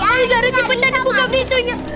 aizara cepetan buka pintunya